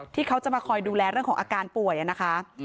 ที่เขาจะมาคอยดูแลเรื่องของอาการป่วยนะคะ